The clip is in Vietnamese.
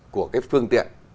của cái phương tiện